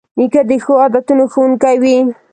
نیکه د ښو عادتونو ښوونکی وي.